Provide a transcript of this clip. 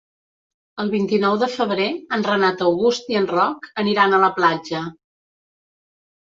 El vint-i-nou de febrer en Renat August i en Roc aniran a la platja.